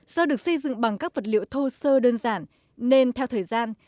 do được xây dựng bằng các vật liệu thô sơ đơn giản nên theo thời gian